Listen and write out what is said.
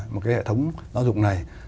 mà cái hệ thống giáo dục này